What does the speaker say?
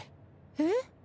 えっ？